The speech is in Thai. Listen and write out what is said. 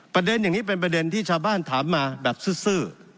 ประเด็นอย่างนี้เป็นประเด็นที่ชาวบ้านถามมาแบบซื้อ